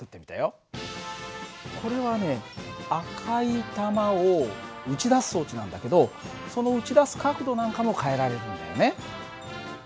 これはね赤い球を打ち出す装置なんだけどその打ち出す角度なんかも変えられるんだよね。